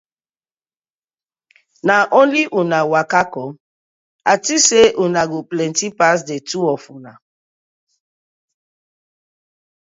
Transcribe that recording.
Na only una waka com? I tink say una go plenty pass di two of una.